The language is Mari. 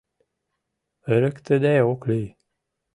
Ырыктыде ок лий...